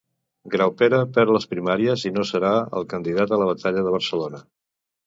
Graupera perd les primàries i no serà el candidat a la batllia de Barcelona.